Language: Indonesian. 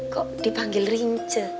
kok dipanggil rince